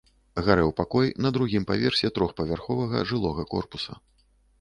Гарэў пакой на другім паверсе трохпавярховага жылога корпуса.